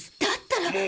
だったら。